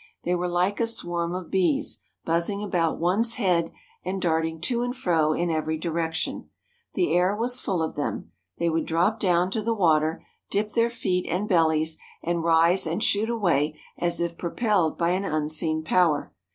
They were like a swarm of bees, buzzing about one's head and darting to and fro in every direction. The air was full of them. They would drop down to the water, dip their feet and bellies, and rise and shoot away as if propelled by an unseen power.